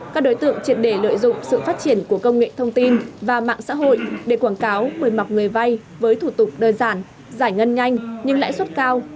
các đối tượng triệt để lợi dụng sự phát triển của công nghệ thông tin và mạng xã hội để quảng cáo mời mọc người vay với thủ tục đơn giản giải ngân nhanh nhưng lãi suất cao